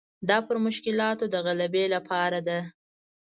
دا پر مشکلاتو د غلبې لپاره ده.